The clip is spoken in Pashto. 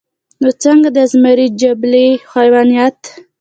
نو څنګه د ازمري جبلي حېوانيت